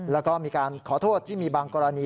แล้วก็มีการขอโทษที่มีบางกรณี